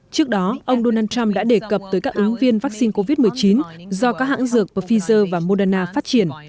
trước đó ông donald trump đã đề cập tới các ứng viên vaccine covid một mươi chín do các hãng dược pfizer và moderna phát triển